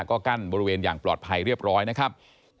ก็กั้นบริเวณอย่างปลอดภัยเรียบร้อยนะครับ